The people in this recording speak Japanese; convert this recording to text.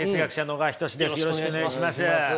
よろしくお願いします。